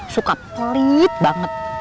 suka pelit banget